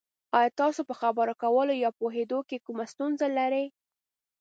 ایا تاسو په خبرو کولو یا پوهیدو کې کومه ستونزه لرئ؟